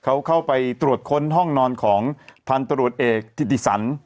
เขาเข้าไปตรวจค้นห้องนอนของพันตรวจเอกธิติสัน